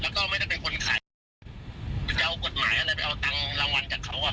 แล้วก็ไม่ได้เป็นคนขายจะเอากฎหมายอะไรไปเอาตังค์รางวัลจากเขาอ่ะ